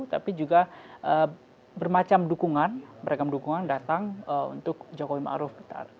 tapi juga bermacam dukungan beragam dukungan datang untuk jokowi ma'ruf